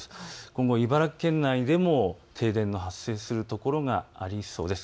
今後、茨城県内でも停電が発生する所がありそうです。